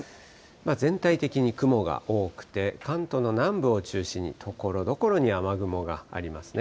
全体的に雲が多くて、関東の南部を中心にところどころに雨雲がありますね。